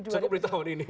cukup di tahun ini